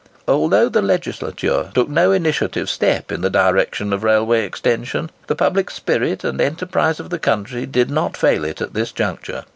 Although the legislature took no initiative step in the direction of railway extension, the public spirit and enterprise of the country did not fail it at this juncture.